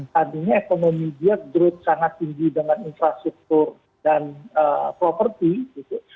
tadinya ekonomi dia growth sangat tinggi dengan infrastruktur dan properti gitu